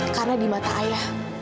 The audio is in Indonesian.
karena di mata ayah